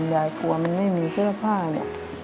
ยายกลัวมันไม่มีเครื่องผ้าเนี่ย